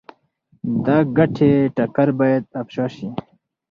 د ګټې ټکر باید افشا شي.